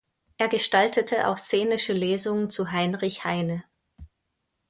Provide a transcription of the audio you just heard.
Er gestaltete auch szenische Lesungen zu Heinrich Heine.